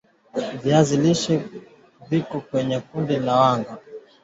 viazi lishe viko kwenye kundi la wanga